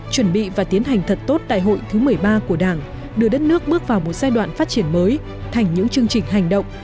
chuẩn bị và tiến hành thật tốt đại hội thứ một mươi ba của đảng đưa đất nước bước vào một giai đoạn phát triển mới thành những chương trình hành động